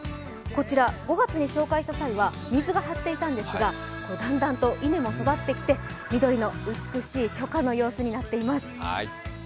こちら、５月に紹介した際は水が張っていたんですが、だんだんと稲も育ってきて緑の美しい初夏の様子になっています。